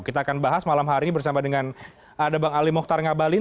kita akan bahas malam hari ini bersama dengan ada bang ali mokhtar ngabalin